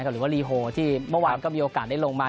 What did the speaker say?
หรือว่าลีโฮที่เมื่อวานก็มีโอกาสได้ลงมา